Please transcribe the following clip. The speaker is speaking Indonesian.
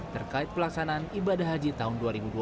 terkait pelaksanaan ibadah haji tahun dua ribu dua puluh